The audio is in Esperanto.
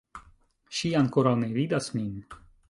Ŝi ankoraŭ ne vidas min